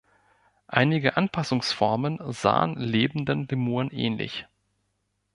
Einige Anpassungsformen sahen lebenden Lemuren ähnlich.